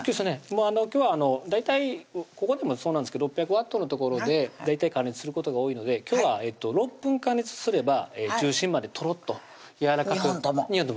今日は大体ここでもそうなんですけど６００Ｗのところで大体加熱することが多いので今日は６分加熱すれば中心までとろっと２本とも？